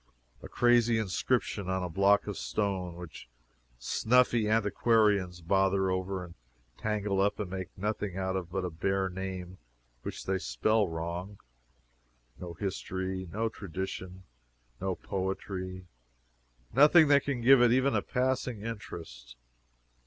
A crazy inscription on a block of stone, which snuffy antiquaries bother over and tangle up and make nothing out of but a bare name (which they spell wrong) no history, no tradition, no poetry nothing that can give it even a passing interest.